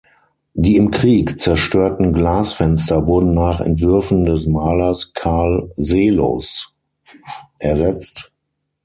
Die im Krieg zerstörten Glasfenster wurden nach Entwürfen des Malers Karl Seelos ersetzt.